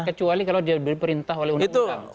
kecuali kalau dia diberi perintah oleh undang undang